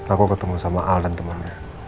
aku ketemu sama al dan temannya